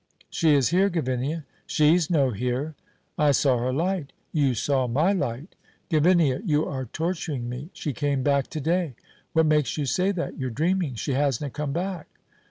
"She is here, Gavinia." "She's no here." "I saw her light." "You saw my light." "Gavinia, you are torturing me. She came back to day." "What makes you say that? You're dreaming. She hasna come back."